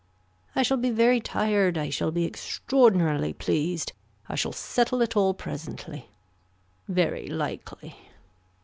I shall be very tired I shall be extraordinarily pleased, I shall settle it all presently. Very likely.